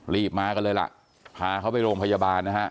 รีบมากันเลยล่ะพาเขาไปโรงพยาบาลนะฮะ